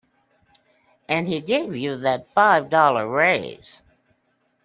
And he gave you that five dollar raise.